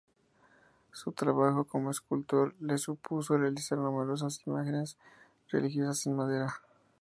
Su trabajo como escultor le supuso realizar numerosas imágenes religiosas en madera.